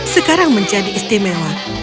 sekarang menjadi istimewa